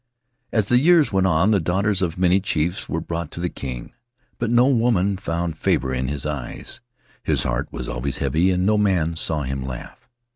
"As the years went on, the daughters of many chiefs were brought to the king, but no woman found favor in his eyes; his heart was always heavy and no man saw him laugh.